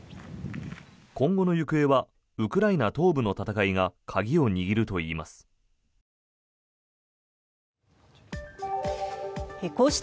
今後の行方はウクライナ東部の戦いが鍵を握るといいます。